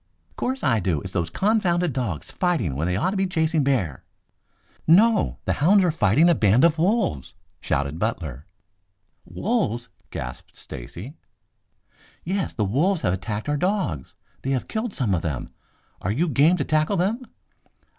"'Course I do. It's those confounded dogs fighting when they ought to be chasing bear." "No! The hounds are fighting a band of wolves!" shouted Butler. "Wolves?" gasped Stacy. "Yes. The wolves have attacked our dogs. They have killed some of them. Are you game to tackle them?"